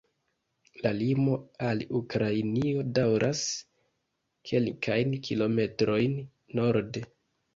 La limo al Ukrainio daŭras kelkajn kilometrojn norde.